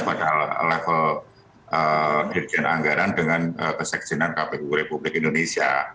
pada level dirjen anggaran dengan keseksianan kpu republik indonesia